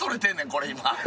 これ今。